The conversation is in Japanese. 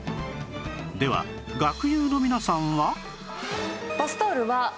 では学友の皆さんは？